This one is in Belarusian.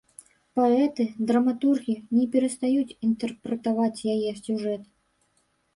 Паэты, драматургі не перастаюць інтэрпрэтаваць яе сюжэт.